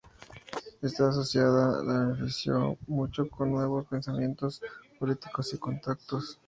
Esta asociación la benefició mucho con nuevos pensamientos políticos y contactos.